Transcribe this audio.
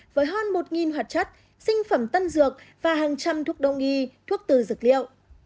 với hơn một hoạt chất sinh phẩm tân dược và hàng trăm thuốc đông y thuốc từ dược liệu